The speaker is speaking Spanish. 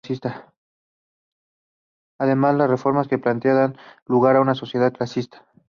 Además, las reformas que plantea dan lugar a una sociedad clasista.